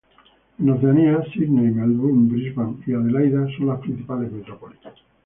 En Oceanía: Sídney, Melbourne, Brisbane y Adelaida son las principales metrópolis.